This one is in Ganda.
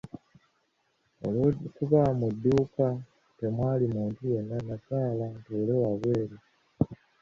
Olw'okuba nga mu dduuka temwali muntu yenna nasala ntuule wabweru.